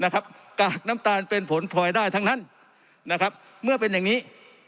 กากน้ำตาลเป็นผลพลอยได้ทั้งนั้นเมื่อเป็นอย่างนี้